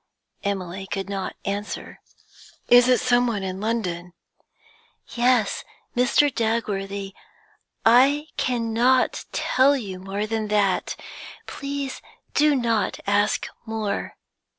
Emily could not answer. 'It is some one in London?' 'Yes, Mr. Dagworthy, I cannot tell you more than that. Please do not ask more.'